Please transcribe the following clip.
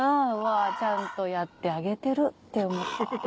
ちゃんとやってあげてるって思って。